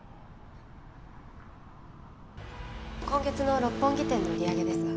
今月の六本木店の売り上げですが。